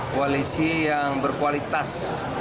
koalisi yang berkualitas